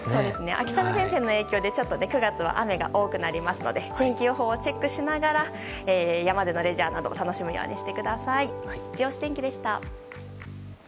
秋雨前線の影響で９月は雨が多くなりますので天気予報をチェックしながら山でのレジャーなどを「アサヒスーパードライ」